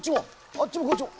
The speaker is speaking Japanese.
あっちもこっちも。